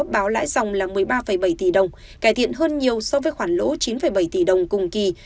báo lãi dòng là một mươi ba bảy tỷ đồng cải thiện hơn nhiều so với khoản lỗ chín bảy tỷ đồng cùng kỳ